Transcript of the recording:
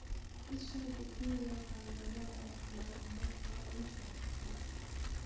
هېڅ شی د بېرې په اندازه د عقل او عمل توان نشي اخیستلای.